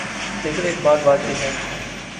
لیکن ایک بات واضح ہے۔